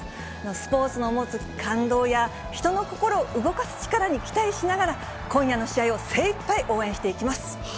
スポーツの持つ感動や人の心を動かす力に期待しながら、今夜の試合を精いっぱい応援していきます。